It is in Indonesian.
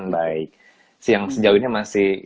baik yang sejauh ini masih